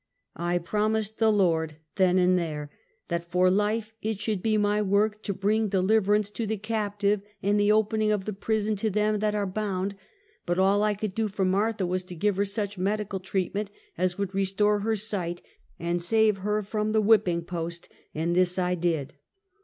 I promised the Lord then and there, that for life, it should be my work to bring " deliverance to the cap tive, and the opening of the prison to them that are bound," but all I could do for Martha, was to give her such medical treatment as would restore her sight and save her from the whipping post, and this I did.